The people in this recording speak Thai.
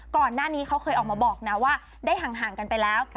ก่อนหน้านี้เขาเคยออกมาบอกนะว่าได้ห่างกันไปแล้ว